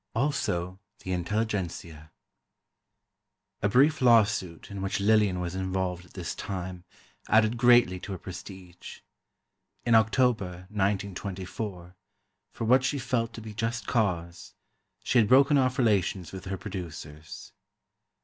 IV ALSO, THE INTELLIGENTSIA A brief lawsuit in which Lillian was involved at this time added greatly to her prestige. In October (1924), for what she felt to be just cause, she had broken off relations with her producers.